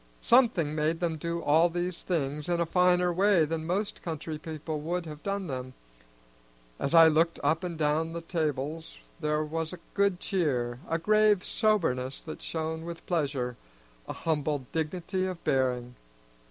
Something made them do all these things in a finer way than most country people would have done them. As I looked up and down the tables there was a good cheer, a grave soberness that shone with pleasure, a humble dignity of bearing.